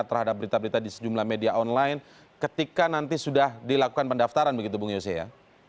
terhadap berita berita di sejumlah media online ketika nanti sudah dilakukan pendaftaran begitu bung yose ya